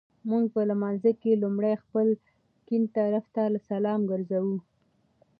مونږ په لمانځه کي لومړی خپل ګېڼ طرفته سلام ګرځوو